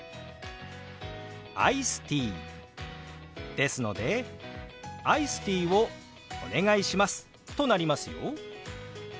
「アイスティー」ですので「アイスティーをお願いします」となりますよ。